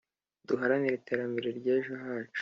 Duharanire iterambere ryejo hacu